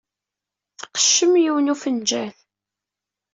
Tqeccem yiwen n ufenjal.